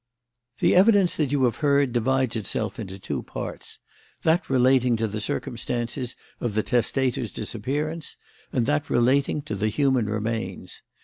"The evidence that you have heard divides itself into two parts that relating to the circumstances of the testator's disappearance, and that relating to certain human remains.